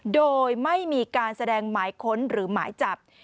โดยไม่มีการแสดงหมายค้นหรือหมายจับ